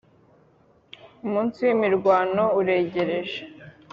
umunsi w’imirwano uregereje